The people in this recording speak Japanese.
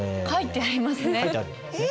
書いてありますね。